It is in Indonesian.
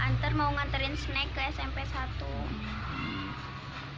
ntar mau nganterin snek ke smp satu